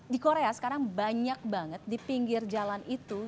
di korea sekarang banyak banget di pinggir jalan itu